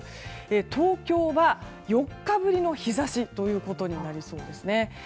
東京は４日ぶりの日差しということになりそうですね。